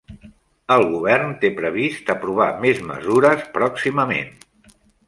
El govern té previst aprovar més mesures pròximament